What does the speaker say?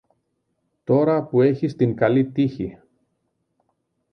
τώρα που έχεις την καλή τύχη